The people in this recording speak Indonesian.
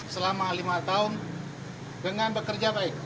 selama lima tahun dengan bekerja baik bekerja amanah